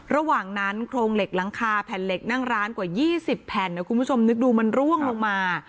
ระหว่างนั้นโครงเหล็กหลังคาแผ่นเหล็กนั่งร้านกว่า๒๐แผ่นนะคุณผู้ชมนึกดูมันร่วงลงมา